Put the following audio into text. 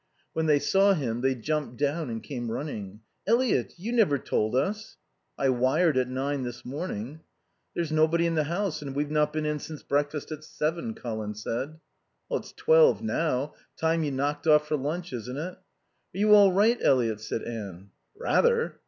When they saw him they jumped down and came running. "Eliot, you never told us." "I wired at nine this morning." "There's nobody in the house and we've not been in since breakfast at seven," Colin said. "It's twelve now. Time you knocked off for lunch, isn't it?" "Are you all right, Eliot?" said Anne. "Rather."